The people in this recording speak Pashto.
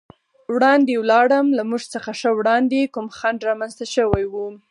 وړاندې ولاړم، له موږ څخه ښه وړاندې کوم خنډ رامنځته شوی و.